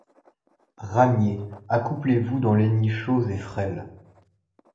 Ramiers, accouplez-vous dans les nids chauds et frêles